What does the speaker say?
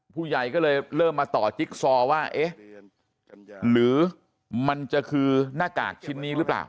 ผู้ใหญ่ก็เลยเริ่มมาต่อจิ๊กซอว่าเอ๊ะหรือมันจะคือหน้ากากชิ้นนี้หรือเปล่า